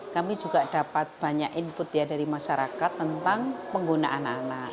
kami juga dapat banyak input ya dari masyarakat tentang penggunaan anak